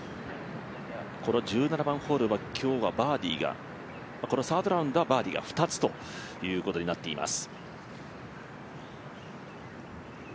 この１７番ホールは、サードラウンドはバーディーが２つということになっています。